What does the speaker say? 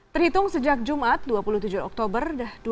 terhitung sejak jumat dua puluh tujuh oktober dua ribu dua puluh